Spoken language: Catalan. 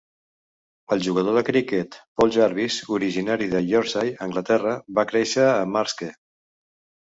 El jugador de criquet Paul Jarvis, originari de Yorkshire (Anglaterra), va créixer a Marske.